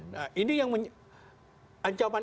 nah ini yang